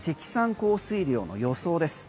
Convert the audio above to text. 降水量の予想です。